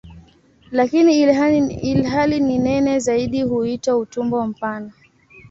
Lakini ilhali ni nene zaidi huitwa "utumbo mpana".